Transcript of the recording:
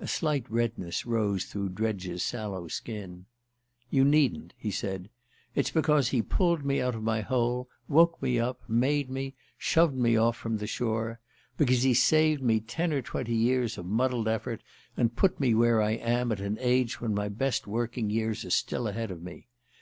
A slight redness rose through Dredge's sallow skin. "You needn't," he said. "It's because he pulled me out of my hole, woke me up, made me, shoved me off from the shore. Because he saved me ten or twenty years of muddled effort, and put me where I am at an age when my best working years are still ahead of me.